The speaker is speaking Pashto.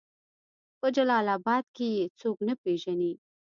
په جلال آباد کې يې څوک نه پېژني